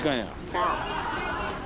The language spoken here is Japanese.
そう。